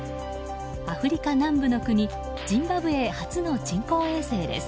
アフリカ南部の国ジンバブエ初の人工衛星です。